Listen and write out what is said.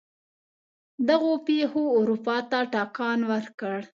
دغو پېښو اروپا ته ټکان ورکړ.